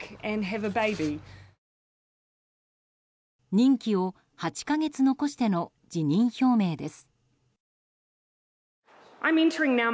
任期を８か月残しての辞任表明です。